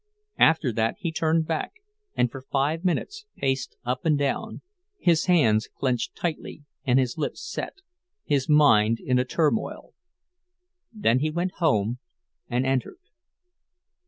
After that he turned back, and for five minutes paced up and down, his hands clenched tightly and his lips set, his mind in a turmoil. Then he went home and entered.